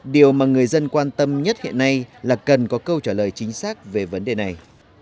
điều mà người dân quan tâm nhất hiện nay là cần có câu trả lời chính xác về vấn đề này